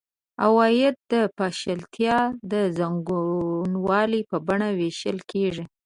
عواید د پاشلتیا د زنګولې په بڼه وېشل کېږي.